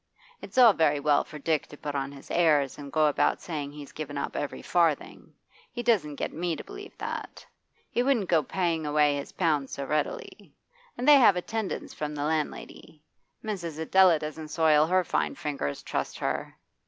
It's all very well for Dick to put on his airs and go about saying he's given up every farthing; he doesn't get me to believe that. He wouldn't go paying away his pounds so readily. And they have attendance from the landlady; Mrs. Adela doesn't soil her fine finger's, trust her.